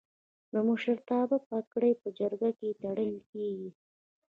د مشرتابه پګړۍ په جرګه کې تړل کیږي.